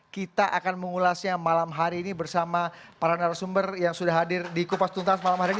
kita akan mengulasnya malam hari ini bersama para narasumber yang sudah hadir di kupas tuntas malam hari ini